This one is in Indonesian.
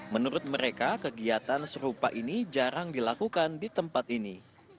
menurut mereka kegiatan serupa ini jarang dilakukan di tempat ini